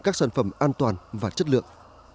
các sản phẩm an toàn và chất lượng